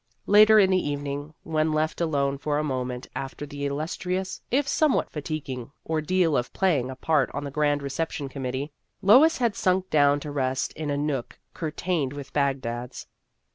Later in the evening, when left alone for a moment after the illustrious, if some what fatiguing, ordeal of playing a part on the grand Reception Committee, Lois had sunk down to rest in a nook cur tained with Bagdads.